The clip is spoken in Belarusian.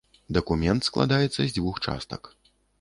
Дакумент складаецца з дзвюх частак.